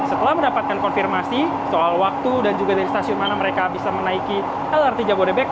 setelah mendapatkan konfirmasi soal waktu dan juga dari stasiun mana mereka bisa menaiki lrt jabodebek